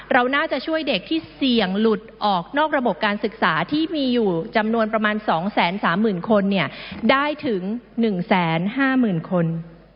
เราน่าจะช่วยเด็กที่เสี่ยงหลุดออกนอกระบบการศึกษาที่มีอยู่จำนวนประมาณ๒๓๐๐๐คนได้ถึง๑๕๐๐๐คน